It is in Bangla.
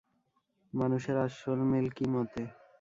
মানুষের আসল মিল কি মতে?